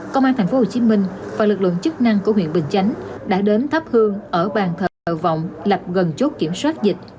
công an tp hcm và lực lượng chức năng của huyện bình chánh đã đến thắp hương ở bàn thờ vọng lập gần chốt kiểm soát dịch